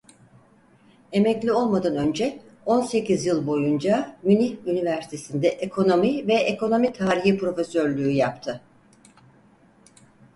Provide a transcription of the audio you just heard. Emekli olmadan önce on sekiz yıl boyunca Münih Üniversitesi'nde ekonomi ve ekonomi tarihi profesörlüğü yaptı.